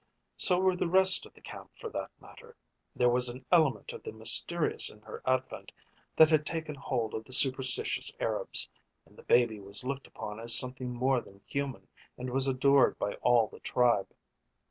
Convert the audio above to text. So were the rest of the camp for that matter. There was an element of the mysterious in her advent that had taken hold of the superstitious Arabs, and the baby was looked upon as something more than human and was adored by all the tribe.